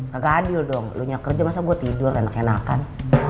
kagak adil dong lu nyakerja masa gua tidur danak enakan